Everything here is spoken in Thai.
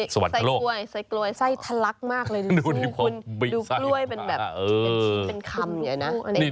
ใส่กล้วยใส่กล้วยไส้ทะลักมากเลยนะคุณดูกล้วยเป็นแบบเป็นคำอย่างนี้นะ